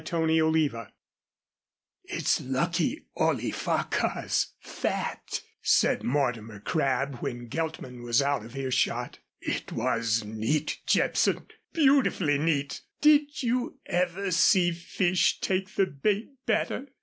CHAPTER III "It's lucky Ollie Farquhar's fat," said Mortimer Crabb when Geltman was out of earshot. "It was neat, Jepson, beautifully neat. Did you ever see fish take the bait better?